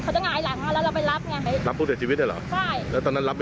นี่ค่ะคือคนที่เขาอยู่แถวนั้นนะคะ